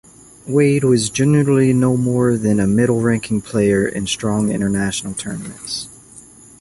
Wade was generally no more than a middle-ranking player in strong international tournaments.